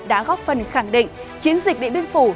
đã góp phần khẳng định chiến dịch điện biên phủ